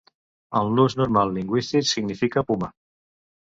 En l'ús normal lingüístic significa puma.